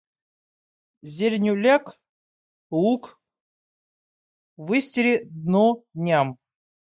Зеленью ляг, луг, выстели дно дням.